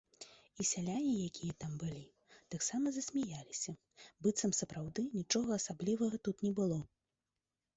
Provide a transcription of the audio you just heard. І сяляне, якія там былі, таксама засмяяліся, быццам сапраўды нічога асаблівага тут не было.